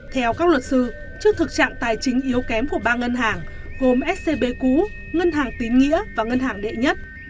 theo các luật sư trước thực trạng tài chính yếu kém của ba ngân hàng gồm scb cũ ngân hàng tín nghĩa và ngân hàng đệ nhất